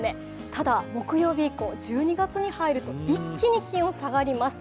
ただ木曜日以降、１２月に入ると一気に気温、下がります。